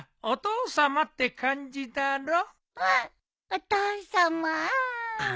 お父さまぁ！